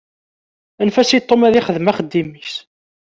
Anfet-as i Tom ad ixdem axeddim-is.